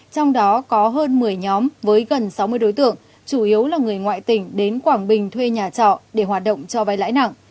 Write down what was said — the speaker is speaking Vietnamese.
trong đó có hơn một mươi nhóm với gần sáu mươi đối tượng chủ yếu là người ngoại tỉnh đến quảng bình thuê nhà trọ để hoạt động cho vay lãi nặng